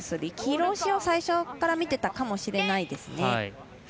黄色を最初から見ていたかもしれないですね。